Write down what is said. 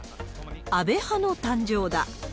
安倍派の誕生だ。